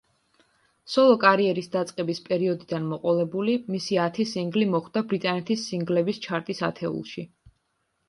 სოლო-კარიერის დაწყების პერიოდიდან მოყოლებული, მისი ათი სინგლი მოხვდა ბრიტანეთის სინგლების ჩარტის ათეულში.